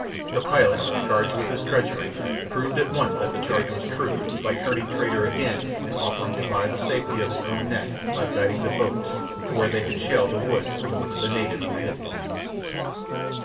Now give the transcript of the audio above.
The pilot, charged with his treachery, proved at once that the charge was true, by turning traitor again and offering to buy the safety of his own neck by guiding the boats to where they could shell the woods in which the natives were hidden.